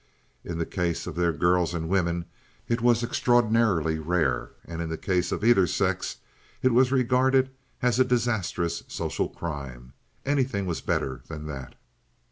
In the case of their girls and women it was extraordinarily rare, and in the case of either sex it was regarded as a disastrous social crime. Anything was better than that.